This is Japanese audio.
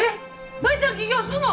舞ちゃん起業すんの！？